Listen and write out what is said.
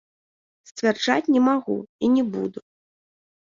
Сцвярджаць не магу і не буду.